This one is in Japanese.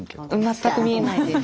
全く見えないです。